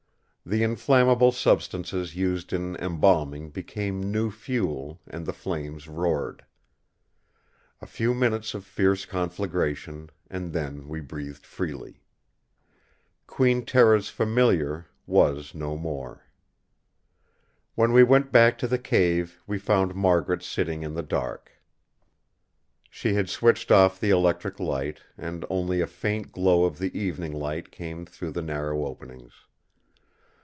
The inflammable substances used in embalming became new fuel, and the flames roared. A few minutes of fierce conflagration; and then we breathed freely. Queen Tera's Familiar was no more! When we went back to the cave we found Margaret sitting in the dark. She had switched off the electric light, and only a faint glow of the evening light came through the narrow openings.